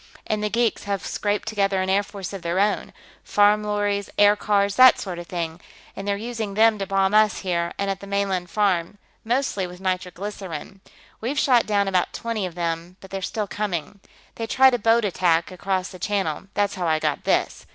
And the geeks here have scraped together an air force of their own farm lorries, aircars, that sort of thing and they're using them to bomb us here and at the mainland farm, mostly with nitroglycerine. We've shot down about twenty of them, but they're still coming. They tried a boat attack across the Channel; that's how I got this.